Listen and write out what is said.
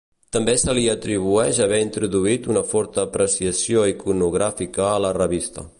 També se li atribueix haver introduït una forta apreciació iconogràfica a la revista.